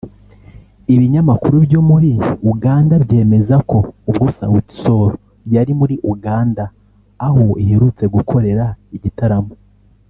Ibinyamakuru byo muri Uganda byemeza ko ubwo Sauti Sol yari muri Uganda aho iherutse gukorera igitaramo